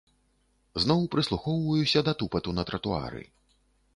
Зноў прыслухоўваюся да тупату на тратуары.